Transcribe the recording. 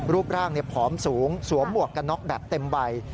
รูปร่างผอมสูงสวมหมวกกันน็อกแบบเต็มใบ